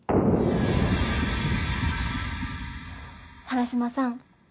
原島さん